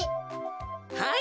はい。